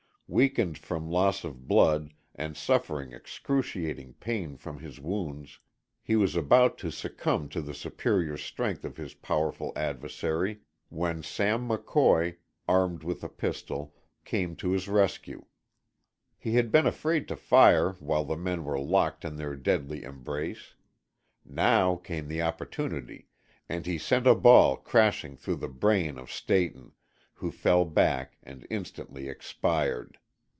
Weakened from loss of blood and suffering excruciating pain from his wounds, he was about to succumb to the superior strength of his powerful adversary, when Sam McCoy, armed with a pistol, came to his rescue. He had been afraid to fire while the men were locked in their deadly embrace. Now came the opportunity and he sent a ball crashing through the brain of Stayton, who fell back and instantly expired.